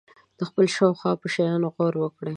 د خپل شاوخوا په شیانو غور وکړي.